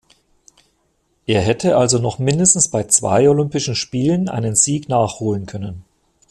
Er hätte also noch mindestens bei zwei Olympischen Spielen einen Sieg nachholen können.